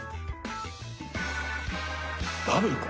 ダブルか。